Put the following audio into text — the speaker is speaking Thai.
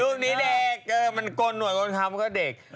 รูปนี้เด็กมันกลหน่วยกลคำก็เด็ก